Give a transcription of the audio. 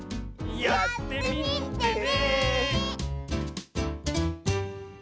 やってみてね！